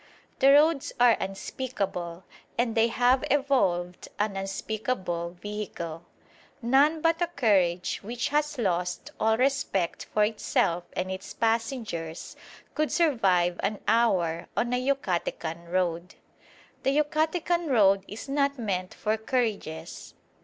The roads are unspeakable, and they have evolved an unspeakable vehicle. None but a carriage which has lost all respect for itself and its passengers could survive an hour on a Yucatecan road. The Yucatecan road is not meant for carriages.